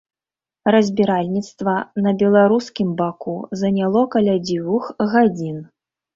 Разбіральніцтва на беларускім баку заняло каля дзвюх гадзін.